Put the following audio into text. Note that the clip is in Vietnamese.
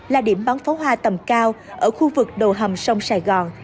là điểm bắn pháo hoa tầm cao ở khu vực đầu hầm sông sài gòn